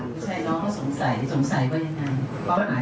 ผู้ชายน้องเขาสงสัยสงสัยว่ายังไง